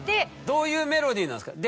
どういうメロディーなんですか？